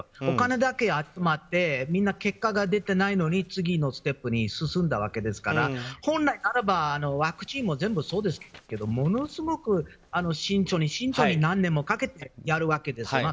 お金だけ集まってみんな、結果が出てないのに次のステップに進んだわけですから本来ならばワクチンも全部そうですけどものすごく慎重に何年も何年もかけてやるわけです。